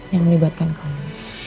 yang menyebabkan kamu